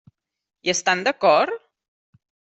Hi estan d'acord?